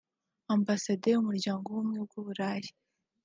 Ambasaderi w’Umuryango w’Ubumwe bw’u Burayi